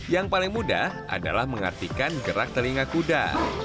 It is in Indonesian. yang paling mudah adalah mengartikan gerak telinga kuda